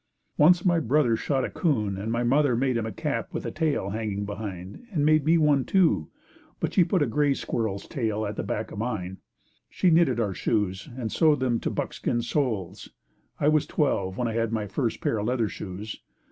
Once my brother shot a coon and my mother made him a cap with the tail hanging behind and made me one too, but she put a gray squirrel's tail at the back of mine. She knit our shoes and sewed them to buckskin soles. I was twelve, when I had my first pair of leather shoes.